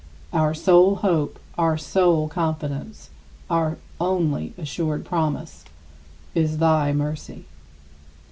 Our sole hope, our sole confidence, our only assured promise, is thy mercy.